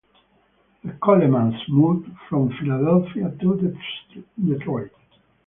The Colemans moved from Philadelphia to Detroit.